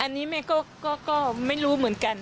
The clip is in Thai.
อันนี้แม่ก็ไม่รู้เหมือนกัน